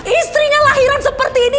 istrinya lahiran seperti ini